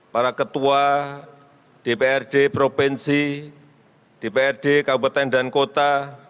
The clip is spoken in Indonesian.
para ketua dprd provinsi dprd kabupaten dan kota